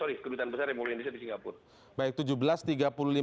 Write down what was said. yang bersangkutan sudah diterbangkan ke indonesia dengan pengawalan dari pejabat imigrasi kita